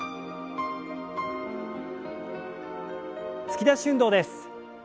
突き出し運動です。